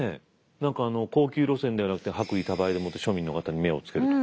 何か高級路線ではなくて薄利多売でもって庶民の方に目をつけるとか。